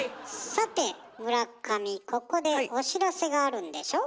さて村上ここでお知らせがあるんでしょ？